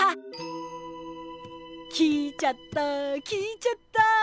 聞いちゃった聞いちゃった！